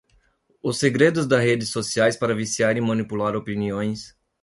Os segredos das redes sociais para viciar e manipular opiniões